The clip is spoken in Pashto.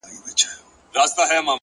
عاجزي د شخصیت ښکلا بشپړوي؛